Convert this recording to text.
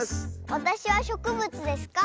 わたしはしょくぶつですか？